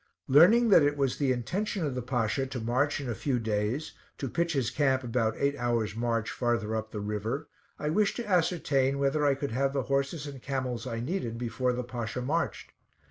Learning that it was the intention of the Pasha to march in a few days, to pitch his camp about eight hours march farther up the river, I wished to ascertain whether I could have the horses and camels I needed before the Pasha marched.